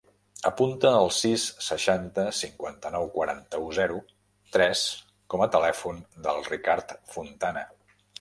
Apunta el sis, seixanta, cinquanta-nou, quaranta-u, zero, tres com a telèfon del Ricard Fontana.